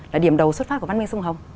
là điểm đầu xuất phát của văn minh sông hồng